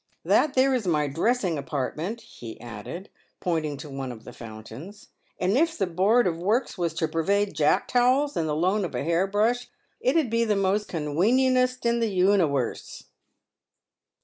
That there is my dressing apartment," he added, pointing to one of the fountains, "and if the board of wurks was to pervide jack towels and the loan of a hair brush, it 'ud be the most convenientest in the uniwerse."